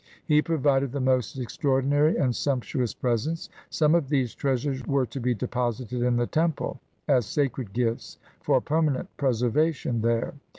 He provided the most extraordinary and sumptuous presents. Some of these treasures were to be deposited in the temple, as sacred gifts, for permanent preservation there.